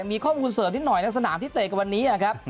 มีข้อมูลเสริมนิดหน่อยในสนามที่เตะกับวันนี้นะครับ